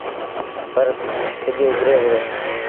پر سڄ اُڀري وُهڙو۔